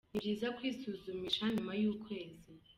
Nibyiza kwisuzumisha nyuma y'ukwezi.